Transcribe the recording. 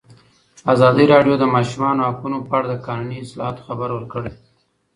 ازادي راډیو د د ماشومانو حقونه په اړه د قانوني اصلاحاتو خبر ورکړی.